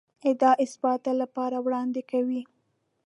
ادعا اثبات لپاره وړاندې کوي.